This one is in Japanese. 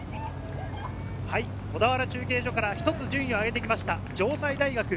小田原中継所から１つ順位を上げてきました、城西大学。